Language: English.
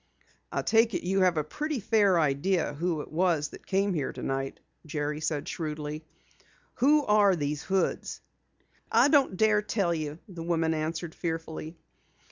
"I take it you have a pretty fair idea who it was that came here tonight?" Jerry said shrewdly. "Who are these Hoods?" "I don't dare tell you," the woman answered fearfully.